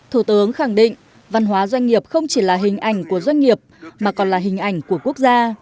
thủ tướng khẳng định văn hóa doanh nghiệp không chỉ là hình ảnh của doanh nghiệp mà còn là hình ảnh của quốc gia